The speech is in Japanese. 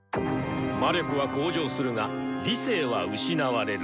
魔力は向上するが理性は失われる。